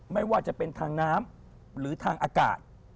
ไม่ว่าจะเป็นทางน้ำหรือทางอากาศ